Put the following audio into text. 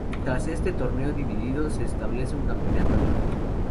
Tras este torneo dividido se establece un campeonato anual.